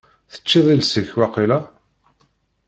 Teĉĉiḍ iles-ik waqila?